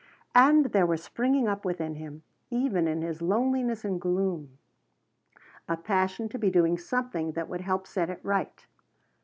And there was springing up within him, even in his loneliness and gloom, a passion to be doing something that would help set it right.